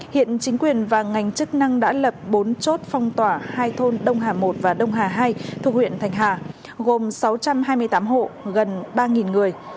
hiện chính quyền và ngành chức năng đã lập bốn chốt phong tỏa hai thôn đông hà một và đông hà hai thuộc huyện thành hà gồm sáu trăm hai mươi tám hộ gần ba người